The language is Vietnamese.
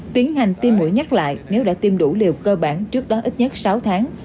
tiến hành tiêm mũi nhắc lại nếu đã tiêm đủ liều cơ bản trước đó ít nhất sáu tháng